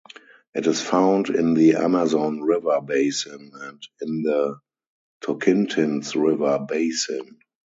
It is found in the Amazon River basin and in the Tocantins River basin.